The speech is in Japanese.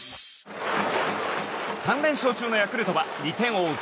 ３連勝中のヤクルトは２点を追う